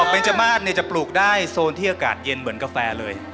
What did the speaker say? เบนจมาสจะปลูกได้โซนที่อากาศเย็นเหมือนกาแฟเลย